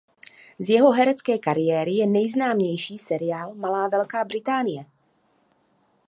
Z jeho herecké kariéry je nejznámější seriál "Malá Velká Británie".